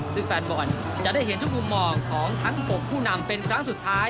ซึ่งแฟนบอลจะได้เห็นทุกมุมมองของทั้ง๖ผู้นำเป็นครั้งสุดท้าย